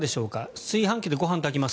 炊飯器でご飯を炊きます。